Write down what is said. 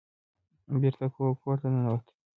بېرته کور ته ننوت.